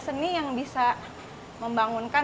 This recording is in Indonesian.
seni yang bisa membangunkan